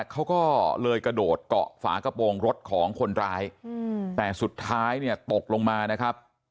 เขาก็เลยกระโดดเกาะฝากระโปรงรถของคนร้ายแต่สุดท้ายเนี่ยตกลงมานะครับ